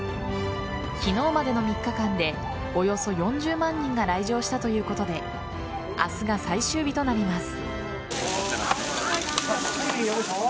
昨日までの３日間でおよそ４０万人が来場したということで明日が最終日となります。